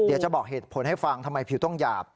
เดี๋ยวจะบอกเหตุผลให้ฟังทำไมผิวต้องหยาบ